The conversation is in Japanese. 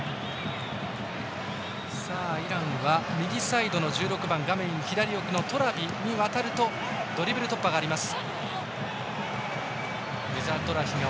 イランは右サイドの１６番のトラビに渡るとドリブル突破があります。